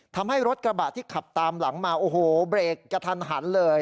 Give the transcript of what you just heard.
ทำให้รถกระบะที่ขับตามหลังมาโอ้โหเบรกกระทันหันเลย